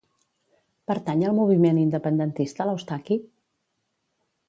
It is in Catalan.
Pertany al moviment independentista l'Eustaqui?